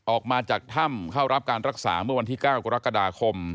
ออกมาจากถ้ำเข้ารับการรักษาเมื่อวันที่๙กรกฎาคม